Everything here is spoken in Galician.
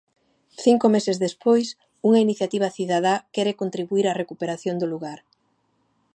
Cinco meses despois unha iniciativa cidadá quere contribuír á recuperación do lugar.